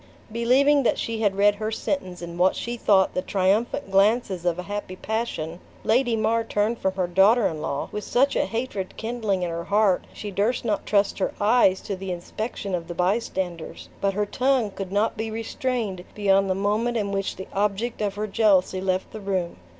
Believing that she had read her sentence in what she thought the triumphant glances of a happy passion, Lady Mar turned from her daughter in law with such a hatred kindling in her heart, she durst not trust her eyes to the inspection of the bystanders; but her tongue could not be restrained beyond the moment in which the object of her jealousy left the room.